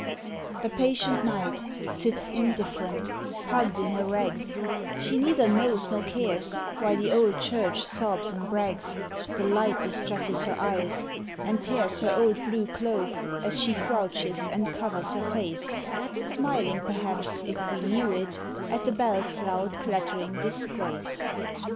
The patient Night Sits indifferent, hugged in her rags, She neither knows nor cares Why the old church sobs and brags; The light distresses her eyes, and tears Her old blue cloak, as she crouches and covers her face, Smiling, perhaps, if we knew it, at the bells' loud clattering disgrace.